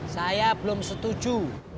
saya belum setuju